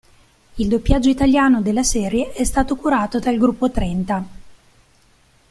Il doppiaggio italiano della serie è stato curato dal Gruppo Trenta.